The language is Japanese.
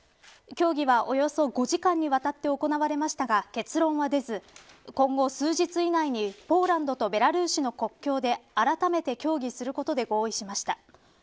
協議は、およそ５時間にわたって行われましたが結論は出ず今後数日以内に、ポーランドとベラルーシの国境であらためて協議することで合意しました。